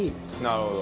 なるほど。